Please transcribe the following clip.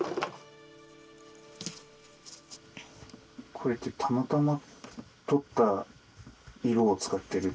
これってたまたま取った色を使っているんですか？